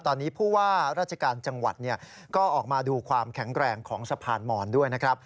ตอนนี้ผู้ว่าราชการจังหวัดก็ออกมาดูความแข็งแรงของสะพานหมอนด้วยนะครับ